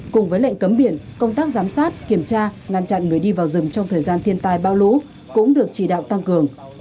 cùng với lệnh cấm biển công tác giám sát kiểm tra ngăn chặn người đi vào rừng trong thời gian thiên tai bão lũ cũng được chỉ đạo tăng cường